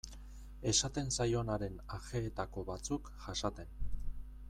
Esaten zaionaren ajeetako batzuk jasaten.